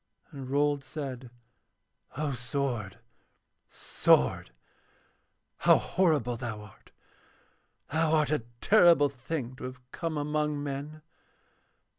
And Rold said: 'O sword, sword! How horrible thou art! Thou art a terrible thing to have come among men.